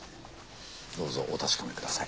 どうぞお確かめください。